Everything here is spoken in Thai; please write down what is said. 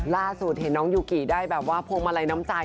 ล่าสุดเห็นน้องยูกิได้แบบว่าพวงมาลัยน้ำใจ